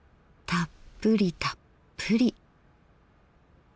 たっぷりたっぷり。